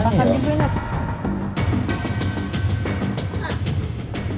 tak sejampang di youtube